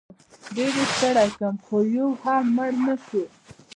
ډېر یې ستړی کړم خو یو هم مړ نه شو.